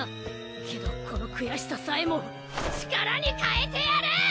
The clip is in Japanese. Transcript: けどこの悔しささえも力に変えてやる！